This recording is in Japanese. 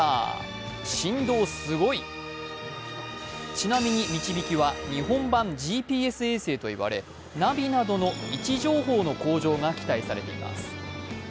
ちなみに、「みちびき」は日本版ＧＰＳ衛星といわれナビなどの位置情報の向上が期待されています。